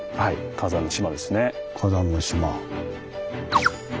火山の島。